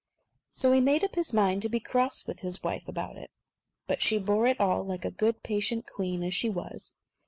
So he made up his mind to be cross with his wife about it. But she bore it all like a good patient queen as she was.